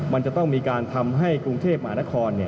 มันจะต้องมีการทำให้กรุงเทพหมานคร